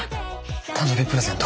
誕生日プレゼント。